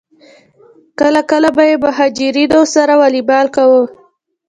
کله کله به یې مهاجرینو سره والیبال کاوه.